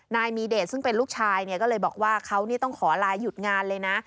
นายมีเดชซึ่งเป็นลูกชายเนี่ยก็เลยบอกว่าเขาต้องขอลาหยุดงานเลยนะ